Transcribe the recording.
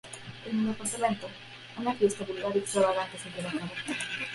En el apartamento, una fiesta vulgar y extravagante se lleva a cabo.